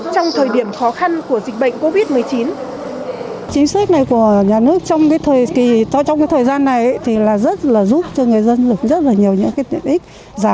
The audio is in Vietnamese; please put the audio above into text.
trong thời điểm khó khăn của dịch bệnh covid một mươi chín